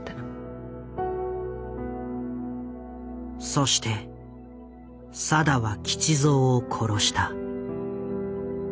そして定は吉蔵を殺した。